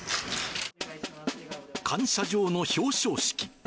感謝状の表彰式。